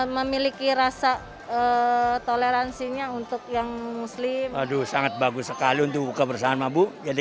memiliki rasa toleransinya untuk yang muslim aduh sangat bagus sekali untuk buka bersama bu jadi